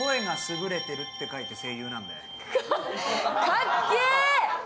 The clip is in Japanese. かっけー！